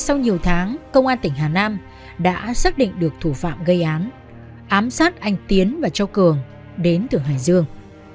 sau nhiều tháng công an tỉnh hà nam đã xác định được thủ phạm gây án ám sát anh tiến và châu cường đến từ hải dương